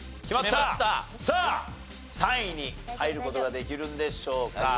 さあ３位に入る事ができるんでしょうか？